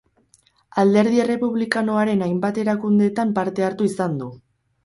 Alderdi Errepublikanoaren hainbat erakundetan parte hartu izan du.